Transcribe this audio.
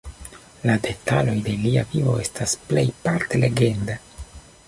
La detaloj de lia vivo estas plejparte legenda.